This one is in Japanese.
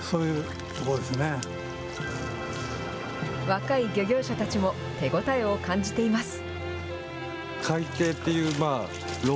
若い漁業者たちも手応えを感じています。